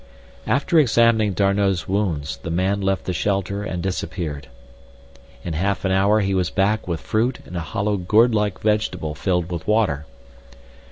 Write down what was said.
After examining D'Arnot's wounds the man left the shelter and disappeared. In half an hour he was back with fruit and a hollow gourd like vegetable filled with water.